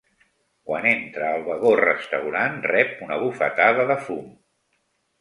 Quan entra al vagó restaurant rep una bufetada de fum.